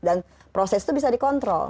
dan proses itu bisa dikontrol